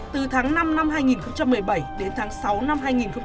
từ tháng năm năm hai nghìn một mươi bảy đến tháng sáu năm hai nghìn một mươi tám